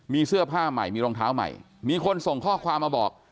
มีเสื้อผ้าใหม่มีรองเท้าใหม่มีคนส่งข้อความมาบอก